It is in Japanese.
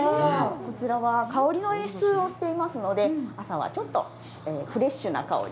こちらは香りの演出をしていますので朝はちょっとフレッシュな香り。